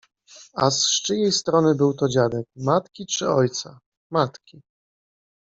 ”— Az czyjej strony był to dziadek: matki czy ojca? — Matki.